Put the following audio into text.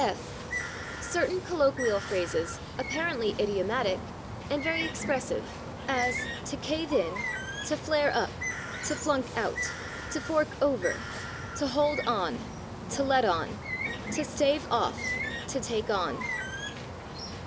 f. "Certain colloquial phrases, apparently idiomatic, and very expressive," as /to cave in/, /to flare up/, /to flunk out/, /to fork over/, /to hold on/, /to let on/, /to stave off/, /to take on